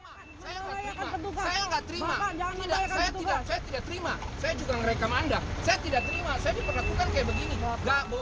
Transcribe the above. saya nggak terima saya tidak saya tidak terima saya juga merekam anda saya tidak terima saya diperlakukan kayak begini